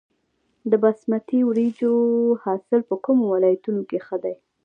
د باسمتي وریجو حاصل په کومو ولایتونو کې ښه دی؟